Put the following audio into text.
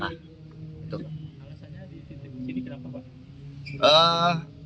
alasannya di sini kenapa pak